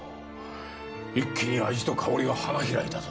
一気に味と香りが花開いたぞ。